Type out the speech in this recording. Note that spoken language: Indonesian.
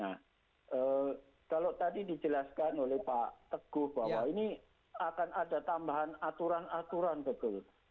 nah kalau tadi dijelaskan oleh pak teguh bahwa ini akan ada tambahan aturan aturan betul